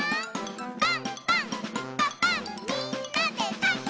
「パンパンんパパンみんなでパン！」